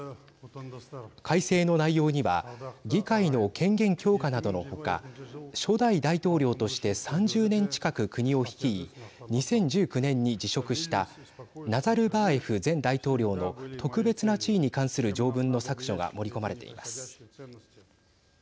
改正の内容には議会の権限強化などのほか初代大統領として３０年近く国を率い２０１９年に辞職したナザルバーエフ前大統領の特別な地位に関する条文の削除が盛り込まれています。